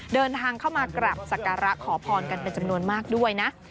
เดินทางเข้ามากราบสักการะขอพรกันเป็นจำนวนมากด้วยนะ